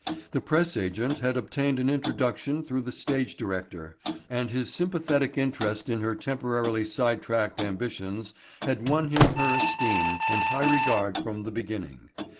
The press agent had obtained an introduction through the stage director and his sympathetic interest in her temporarily side tracked ambitions had won him her esteem and high regard from the beginning.